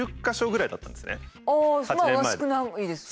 ああ少ないですね。